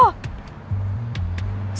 pengecut banget lo